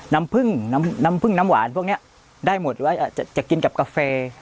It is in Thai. น้ำผึ้งน้ำผึ้งน้ำหวานพวกนี้ได้หมดไว้จะกินกับกาแฟ